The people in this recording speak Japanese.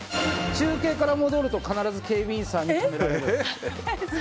中継から戻ると必ず警備員さんに止められる。